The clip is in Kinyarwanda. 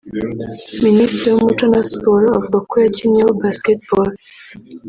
Minisitiri w’umuco na siporo avuga ko yakinnyeho Basketball